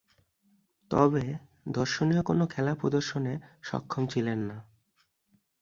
তবে, দর্শনীয় কোন খেলা প্রদর্শনে সক্ষম ছিলেন না।